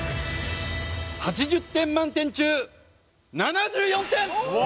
８０点満点中７４点！